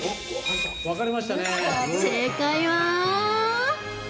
正解は。